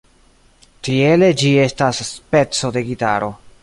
Tiele ĝi estas speco de gitaro.